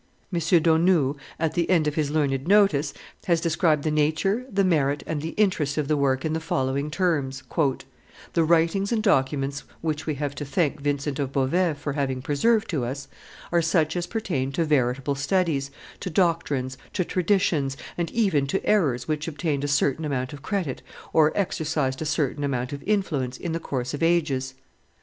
M. Daunou, at the end of his learned notice, has described the nature, the merit, and the interest of the work in the following terms: "The writings and documents which we have to thank Vincent of Beauvais for having preserved to us are such as pertain to veritable studies, to doctrines, to traditions, and even to errors which obtained a certain amount of credit or exercised a certain amount of influence in the course of ages.